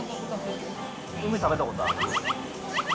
梅食べたことある？